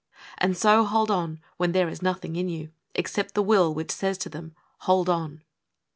And so hold on when there is nothing in you Except the Will which says to them: 'Hold on!'